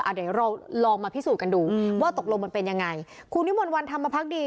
เดี๋ยวเราลองมาพิสูจน์กันดูว่าตกลงมันเป็นยังไงคุณวิมนต์วันธรรมพักดี